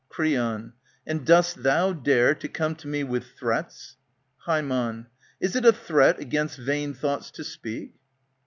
Creon, And dost thou dare to come to me with threats ? Ham, Is it a threat against vain thoughts to speak